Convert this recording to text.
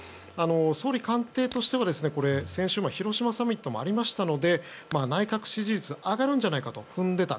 総理官邸としては先週の広島サミットもありましたので内閣支持率が上がるのではと踏んでいた。